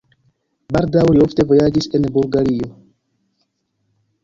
Baldaŭ li ofte vojaĝis al Bulgario.